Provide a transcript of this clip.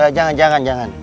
eh jangan jangan jangan